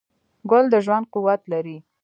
ګل د ژوند قوت لري.